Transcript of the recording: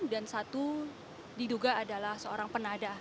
satu diduga adalah seorang penadah